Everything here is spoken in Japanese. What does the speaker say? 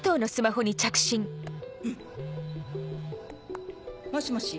うん。もしもし？